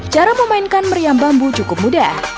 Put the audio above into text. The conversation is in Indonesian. cara memainkan meriam bambu cukup mudah